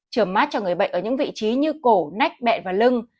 chửa mát cho người bệnh ở những vị trí như cổ nách bẹn và lưng